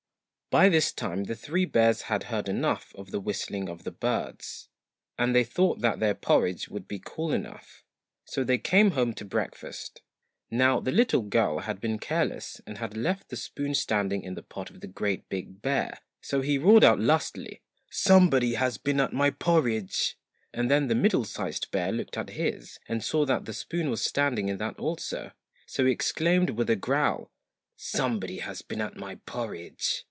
By this time the three bears had heard enough of the whistling of the birds, and they thought that their porridge would be cool enough ; so they came home to breakfast. Now the little girl had been careless, and had left the spoon standing in the pot of the GREAT BIG BEAR, so he roared out lustily 'SOMEBODY HAS BEENAT MY PORRIDGE!' And then the MIDDLE SIZED BEAR looked at his, and saw that the spoon was standing in that also, so he exclaimed with a growl 'SOMEBODY HAS BEEN AT MY PORRIDGE!'